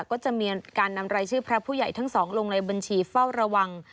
ก็จะมีการนำรายชื่อพระผู้ใหญ่ทั้งสองลงในบัญชีเฝ้าระวัง